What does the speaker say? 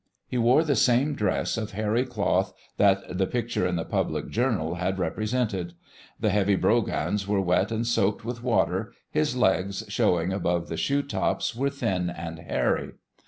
He wore the same dress of hairy cloth that the picture in the public journal had represented. The heavy brogans were wet and soaked with water, his legs, showing above the shoe tops, were lean and hairy.